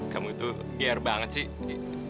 kamu tuh liar banget sih